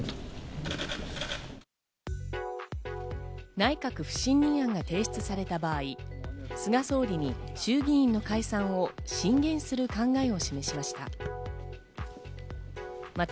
内閣不信任案が提出された場合、菅総理に衆議院の解散を進言する考えを示しました。